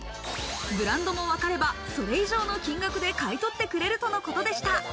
ブランドもわかれば、それ以上の金額で買い取ってくれるとのことでした。